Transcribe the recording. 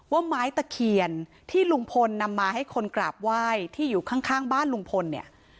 ว่าไม้ตะเคียนที่ลุงพลนำมาให้คนกราบไหว้ที่อยู่ข้างบ้านลุงพลเนี่ย